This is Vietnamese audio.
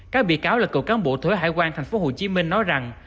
các bị cáo là cựu cán bộ thuế hải quan tp hcm nói rằng